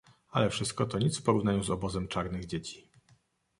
"Ale wszystko to nic w porównaniu z obozem czarnych dzieci."